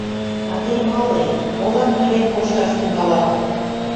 А тый мале, молан нӧрен кошташ тӱҥалат.